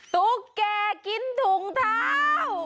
ตุ๊กแก่กินถุงเท้า